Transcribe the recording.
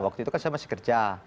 waktu itu kan saya masih kerja